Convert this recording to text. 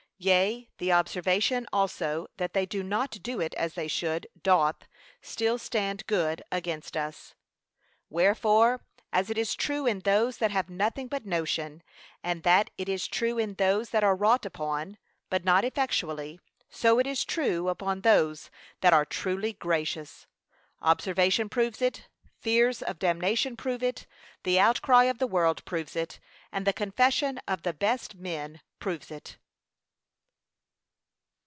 Yea, the observation also that they do not do it as they should, doth still stand good against us. Wherefore, as it is true in those that have nothing but notion, and that it is true in those that are wrought upon, but not effectually, so it is true upon those that are truly gracious; observation proves it, fears of damnation prove it, the outcry of the world proves it, and the confession of the best men proves it.